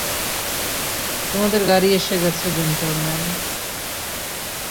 তোমাদের গাড়ি এসে গেছে, জেন্টলমেন।